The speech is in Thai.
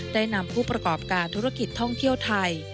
ได้นำผู้ประกอบการธุรกิจท่องเที่ยวไทย